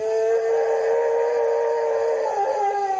นี่